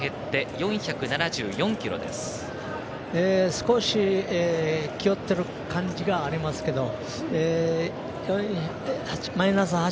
少し気負ってる感じがありますけどマイナス８。